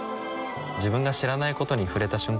自分が知らないことに触れた瞬間